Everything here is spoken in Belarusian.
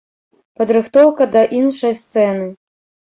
Падрыхтоўка да іншай сцэны.